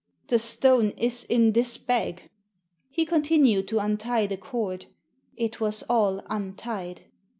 The stone is in this bag." He continued to untie the cord. It was all untied.